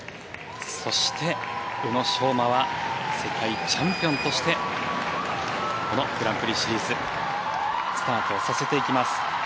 そして、宇野昌磨は世界チャンピオンとしてこのグランプリシリーズスタートさせていきます。